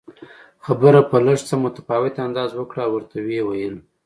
خبره په لږ څه متفاوت انداز وکړه او ورته ویې ویل